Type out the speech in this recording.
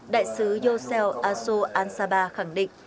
đại sứ yoseo aso an saba khẳng định